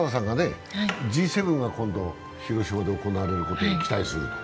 Ｇ７が広島で行われることを期待されると。